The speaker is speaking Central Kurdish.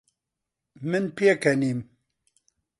من پێکەنیم.